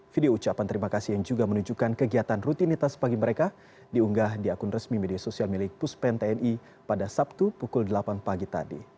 video ucapan terima kasih yang juga menunjukkan kegiatan rutinitas pagi mereka diunggah di akun resmi media sosial milik puspen tni pada sabtu pukul delapan pagi tadi